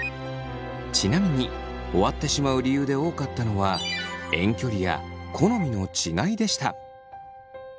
ちなみに終わってしまう理由で多かったのは遠距離や好みの違いでした。